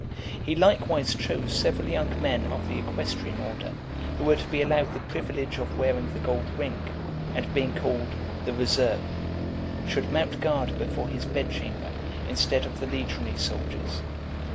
He likewise chose several young men of the equestrian order, who were to be allowed the privilege of wearing the gold ring, and, being called "The Reserve," should mount guard before his bed chamber, instead of the legionary soldiers.